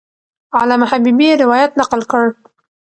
علامه حبیبي روایت نقل کړ.